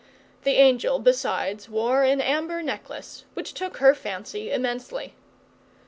The angel, besides, wore an amber necklace, which took her fancy immensely.